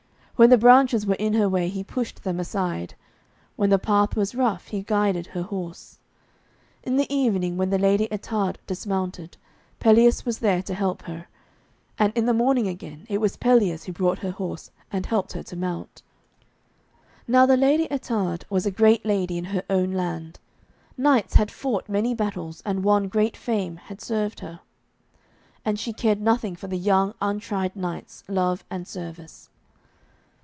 When the branches were in her way he pushed them aside, when the path was rough he guided her horse. In the evening when the Lady Ettarde dismounted, Pelleas was there to help her, and in the morning again it was Pelleas who brought her horse and helped her to mount. Now the Lady Ettarde was a great lady in her own land; knights who had fought many battles and won great fame had served her, and she cared nothing for the young untried knight's love and service.